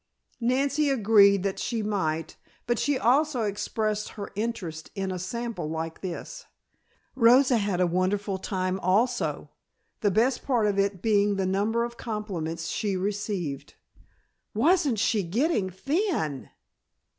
Nancy agreed that she might, but she also expressed her interest in a sample like this. Rosa had a wonderful time also, the best part of it being the number of compliments she received. "Wasn't she getting thin!"